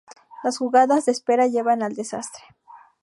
Las jugadas de espera llevan al desastre.